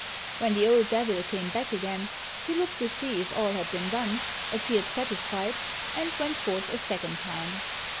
When the old Devil came back again, he looked to see if all had been done, appeared satisfied, and went forth a second time.